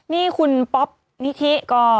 นี่คุณป๊อปนิธิก็